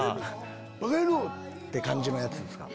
「バカ野郎」って感じのやつですか。